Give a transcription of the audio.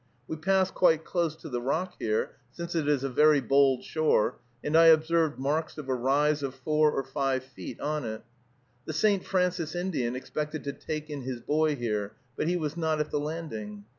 We passed quite close to the rock here, since it is a very bold shore, and I observed marks of a rise of four or five feet on it. The St. Francis Indian expected to take in his boy here, but he was not at the landing.